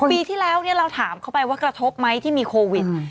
ปีที่แล้วเราถามเขาไปว่ากระทบไหมที่มีโควิด